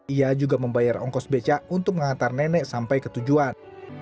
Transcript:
ia juga membayar ongkos becak untuk mengantar nenek sampai ke tujuan